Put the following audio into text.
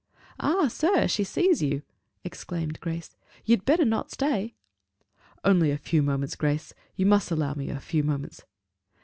"Ah, sir, she sees you!" exclaimed Grace: "you'd better not stay." "Only a few moments, Grace; you must allow me a few moments."